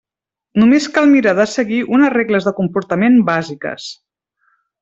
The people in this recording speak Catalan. Només cal mirar de seguir unes regles de comportament bàsiques.